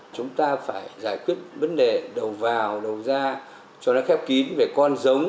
chúng ta phải giải quyết vấn đề đầu vào đầu ra cho nó khép kín về con giống